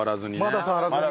まだ触らずに。